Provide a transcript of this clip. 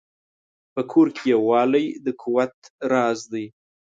په کور کې یووالی د قوت راز دی.